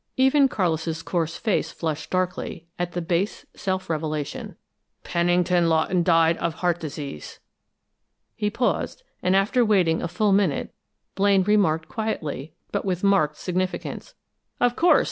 Even Carlis' coarse face flushed darkly at the base self revelation. "Pennington Lawton died of heart disease." He paused, and after waiting a full minute, Blaine remarked, quietly, but with marked significance: "Of course.